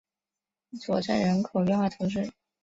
索镇人口变化图示